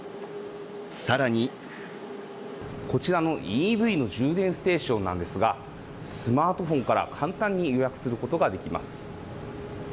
更にこちらのＥＶの充電ステーションなんですがスマートフォンから簡単に予約することができます。